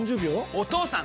お義父さん！